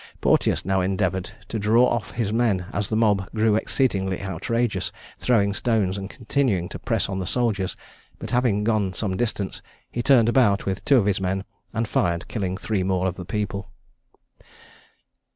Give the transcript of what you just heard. Porteous now endeavoured to draw off his men, as the mob grew exceedingly outrageous, throwing stones, and continuing to press on the soldiers; but having gone some distance, he turned about with two of his men and fired, killing three more of the people.